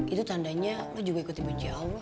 itu tandanya lo juga ikutin bunyi allah loh